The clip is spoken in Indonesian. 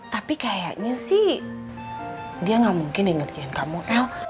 tapi kayaknya sih dia gak mungkin ngerjain kamu el